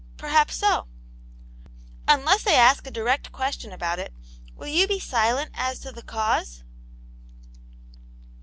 '*'* Perhaps so." *" Unless they ask a direct question about it, will you be silent as to the cause